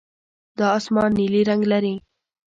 دا اسمان نیلي رنګ لري.